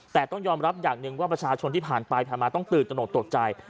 แต่ต้องยอมรับอย่างหนึ่งว่าประชาชนที่ผ่านไปผ่านมาต้องตื่นตนกตกใจ